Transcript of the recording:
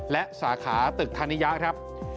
และสาขาตึกธานิยะครับ